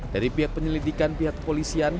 dari pihak penyelidikan pihak kepolisian